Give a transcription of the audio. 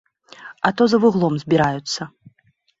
А то за вуглом збіраюцца.